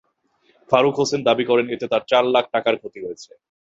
ফারুক হোসেন দাবি করেন, এতে তাঁর চার লাখ টাকার ক্ষতি হয়েছে।